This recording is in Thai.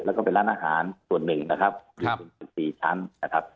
แล้วก็เป็นร้านอาหารส่วนหนึ่งนะครับอยู่เป็น๑๔ชั้นนะครับ